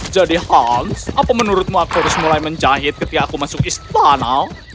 hans apa menurutmu aku harus mulai menjahit ketika aku masuk istana